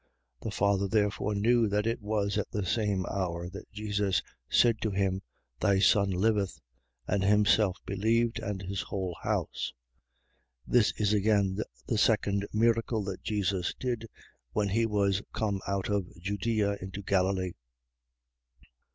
4:53. The father therefore knew that it was at the same hour that Jesus said to him: Thy son liveth. And himself believed, and his whole house. 4:54. This is again the second miracle that Jesus did, when he was come out of Judea. into Galilee.